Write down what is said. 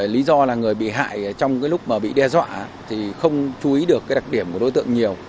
lý do là người bị hại trong cái lúc mà bị đe dọa thì không chú ý được cái đặc điểm của đối tượng nhiều